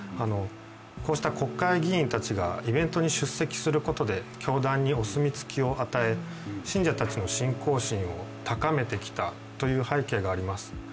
こうした国会議員たちがイベントに出席することで教団にお墨付きを与え信者たちの信仰心を高めてきたという背景があります。